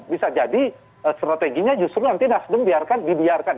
bisa jadi strateginya justru nanti nasdem dibiarkan